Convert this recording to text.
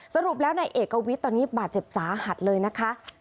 สรุปแล้วนายเอกวิทย์ตอนนี้บาดเจ็บสาหัสเลยนะคะ